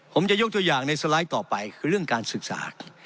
ผมจะยกตัวอย่างในสไลด์ต่อไปคือเรื่องการศึกษา